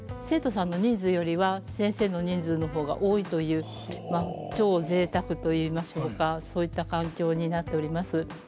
生徒さんの人数よりは先生の人数の方が多いというまあ超贅沢といいましょうかそういった環境になっております。